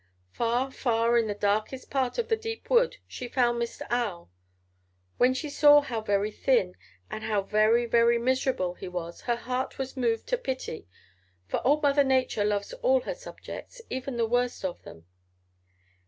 Far, far in the darkest part of the deep wood she found Mr. Owl. When she saw how very thin and how very, very miserable he was her heart was moved to pity, for old Mother Nature loves all her subjects, even the worst of them.